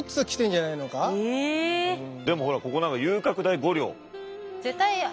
でもほらここなんか遊郭代５両。